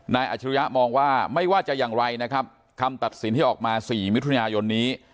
อาจรุยะมองว่าไม่ว่าจะอย่างไรนะครับคำตัดสินที่ออกมา๔มิถุนายนนี้